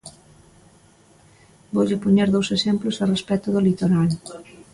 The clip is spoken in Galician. Voulle poñer dous exemplos a respecto do litoral.